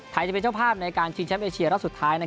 จะเป็นเจ้าภาพในการชิงแชมป์เอเชียรอบสุดท้าย